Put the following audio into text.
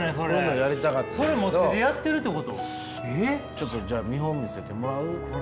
ちょっとじゃあ見本見せてもらう？